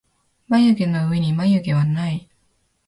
まゆげのうえにはまゆげはない